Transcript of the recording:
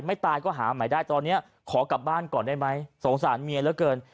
ตายก็หาใหม่ได้ตอนนี้ขอกลับบ้านก่อนได้ไหมสงสารเมียเหลือเกิน